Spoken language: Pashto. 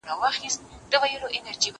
زه اجازه لرم چي پلان جوړ کړم!